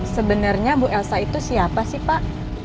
sebenarnya bu elsa itu siapa sih pak